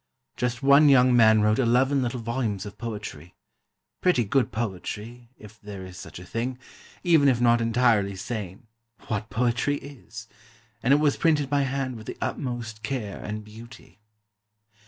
Just one young man wrote eleven little volumes of poetry—pretty good poetry, if there is such a thing, even if not entirely sane (what poetry is?)—and it was printed by hand with the utmost care and beauty.